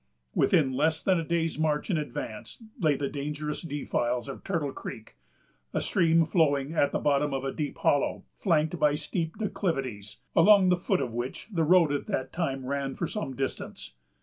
Within less than a day's march in advance lay the dangerous defiles of Turtle Creek, a stream flowing at the bottom of a deep hollow, flanked by steep declivities, along the foot of which the road at that time ran for some distance.